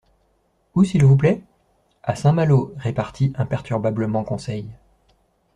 —Où, s'il vous plaît ? —A Saint-Malo, répartit imperturbablement Conseil.